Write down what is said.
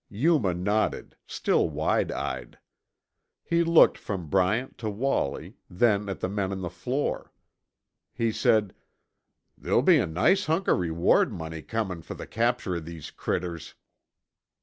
Yuma nodded, still wide eyed. He looked from Bryant to Wallie, then at the men on the floor. He said, "There'll be a nice hunk o' reward money comin' fer the capture o' these critters."